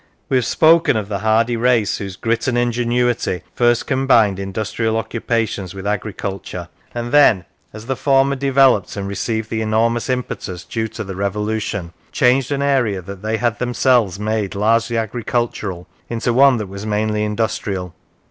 We have spoken of the hardy race whose grit and ingenuity first combined industrial occupations with agriculture, and then, as the former developed and received the enormous impetus due to the Revolution, changed an area that they had themselves made largely agricultural into one that was mainly industrial.